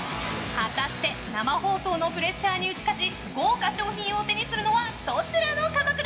果たして生放送のプレッシャーに打ち勝ち豪華賞品を手にするのはどちらの家族だ？